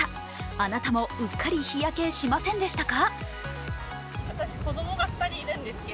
あなたもうっかり日焼け、しませんでしたか？